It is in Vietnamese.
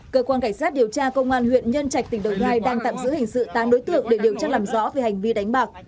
cơ quan cảnh sát điều tra công an huyện nhân trạch tỉnh đồng nai đang tạm giữ hình sự tám đối tượng để điều tra làm rõ về hành vi đánh bạc